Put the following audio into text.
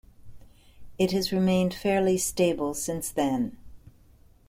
It has remained fairly stable since then.